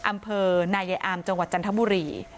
อำเภอนายายอามจังหวัดจันทบุรี